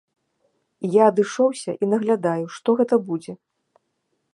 Я адышоўся і наглядаю, што гэта будзе.